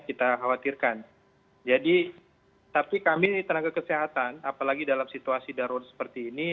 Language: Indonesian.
kita khawatirkan jadi tapi kami tenaga kesehatan apalagi dalam situasi darurat seperti ini